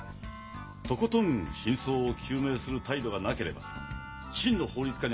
とことん真相を究明する態度がなければ真の法律家にはなれません。